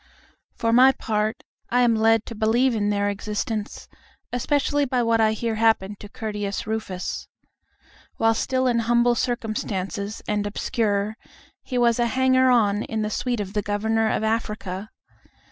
For my part, I am led to believe in their existence, especially by what I hear happened to Curtius Rufus. While still in humble circumstances and obscure, he was a hanger on in the suite of the Governor of Africa.